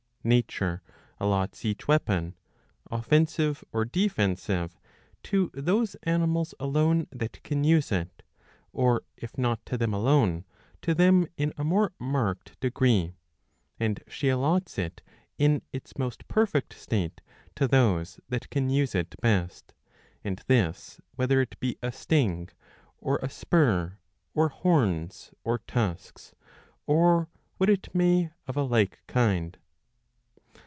Nature allots each weapon, offensive or defensive, to those animals alone that can use it; or, if not to them alone, to them in a more marked degree ; and she allots it in its most perfect state to those that can use it best ; and this whether it be a sting, or a spur, or horns, or tusks, or what it may of a like kind.